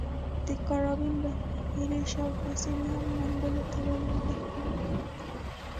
د کارابین بحیرې شاوخوا سیمې هم منګولو ته ولوېدې.